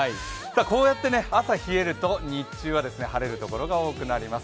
こうやって朝冷えると日中は晴れるところが多くなります。